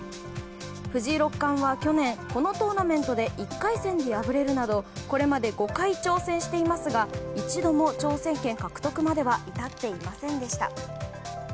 藤井六冠は去年このトーナメントで１回戦で敗れるなどこれまで５回挑戦していますが一度も挑戦権獲得までは至っていませんでした。